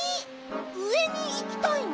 うえにいきたいの？